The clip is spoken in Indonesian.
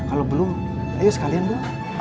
kalau belum ayo sekalian bu